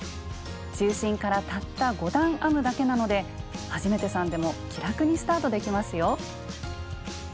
中心からたった５段編むだけなので初めてさんでも気楽にスタートできますよ。